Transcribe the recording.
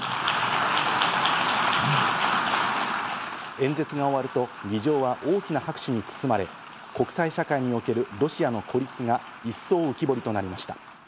演説が終わると議場は大きな拍手に包まれ、国際社会におけるロシアの孤立が一層、浮き彫りとなりました。